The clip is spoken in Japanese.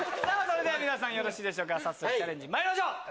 それでは皆さんよろしいですかチャレンジまいりましょう！